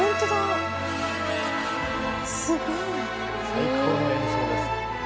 最高の演奏ですね。